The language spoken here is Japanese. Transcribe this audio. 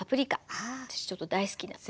私ちょっと大好きなんで。